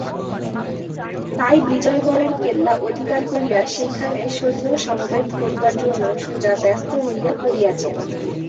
তাই বিজয়গড়ের কেল্লা অধিকার করিয়া সেইখানে সৈন্য সমবেত করিবার জন্য সুজা ব্যস্ত হইয়া পড়িয়াছেন।